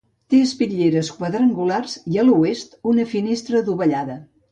Té espitlleres quadrangulars i a l'oest una finestra adovellada.